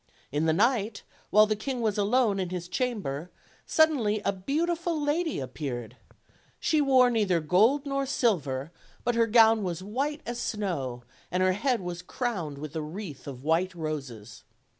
In the night, while the king was alone in his chamber, suddenly a beautiful lady appeared. She wore neither gold nor silver, but her gown was white as snow, and her head was crowned with a wreath of white roses.